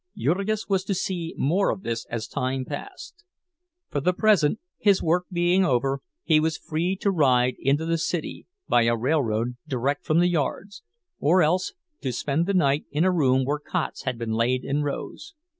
Jurgis was to see more of this as time passed. For the present, his work being over, he was free to ride into the city, by a railroad direct from the yards, or else to spend the night in a room where cots had been laid in rows.